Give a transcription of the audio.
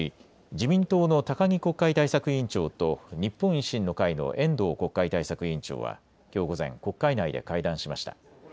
自民党の高木国会対策委員長と日本維新の会の遠藤国会対策委員長はきょう午前国会内で会談しました。